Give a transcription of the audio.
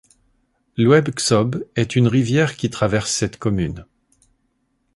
L'Oued Ksob est une rivière qui traverse cette commune.